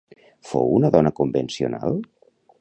Fou una dona convencional?